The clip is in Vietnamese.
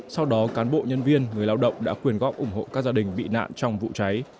sau đó cán bộ nhân viên người lao động đã quyền góp ủng hộ các gia đình bị nạn trong vụ cháy